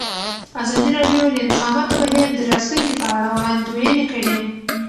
ازادي راډیو د د انتخاباتو بهیر د راتلونکې په اړه وړاندوینې کړې.